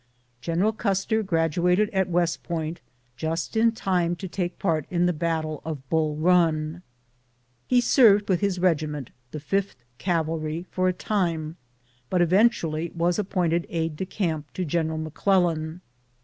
General Custer graduated at West Point just in time to take part in the battle of Bull Run. He served with his regiment — the 5th Cavalry — for a time, but eventually was appointed aide de camp to General McClellan.